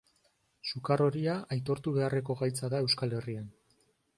Sukar horia aitortu beharreko gaitza da Euskal Herrian.